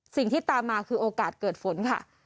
สิ่งที่ตามมาคือโอกาสเกิดฝนค่ะ